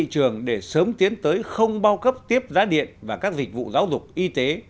trường để sớm tiến tới không bao cấp tiếp giá điện và các dịch vụ giáo dục y tế